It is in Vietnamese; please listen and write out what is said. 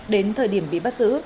đến thời điểm bị bắt giữ